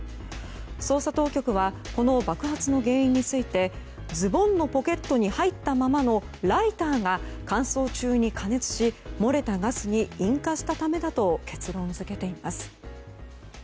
捜査当局はこの爆発の原因についてズボンのポケットに入ったままのライターが乾燥中に加熱し、漏れたガスに引火したためだと結論付けています。